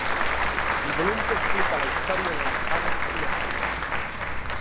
El volum que explica la història de la cabana i l'oncle.